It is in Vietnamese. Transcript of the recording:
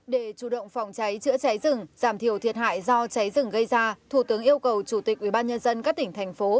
để chủ động phòng cháy chữa cháy rừng giảm thiểu thiệt hại do cháy rừng gây ra thủ tướng yêu cầu chủ tịch ubnd các tỉnh thành phố